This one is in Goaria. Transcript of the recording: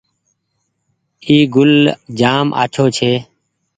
اي گوُل جآم آڇوٚنٚ ڇي